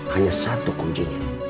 hanya satu kuncinya